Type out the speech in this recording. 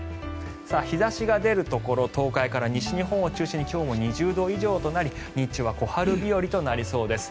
日差しが出るところ東海から西日本を中心に今日も２０度以上となり日中は小春日和となりそうです。